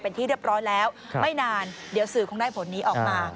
เป็นที่เรียบร้อยแล้วไม่นานเดี๋ยวสื่อคงได้ผลนี้ออกมา